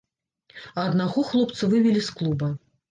А аднаго хлопца вывелі з клуба.